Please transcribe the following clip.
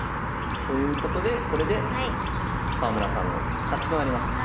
ということでこれで川村さんの勝ちとなりました。